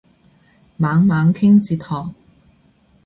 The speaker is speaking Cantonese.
猛猛傾哲學